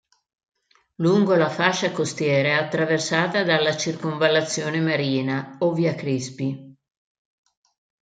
Lungo la fascia costiera è attraversata dalla circonvallazione marina, o via Crispi.